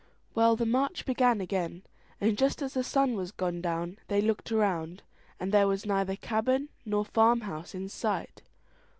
Well, the march began again, and just as the sun was gone down they looked around, and there was neither cabin nor farm house in sight.